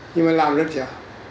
nhưng mà làm rất dễ